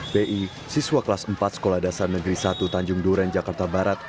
p i siswa kelas empat sekolah dasar negeri satu tanjung doren jakarta barat